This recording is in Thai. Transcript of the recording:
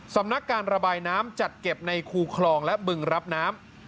สำนักการระบายน้ำจัดเก็บในคูคลองและบึงรับน้ำ